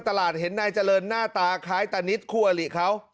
ก็เรียกร้องให้ตำรวจดำเนอคดีให้ถึงที่สุดนะ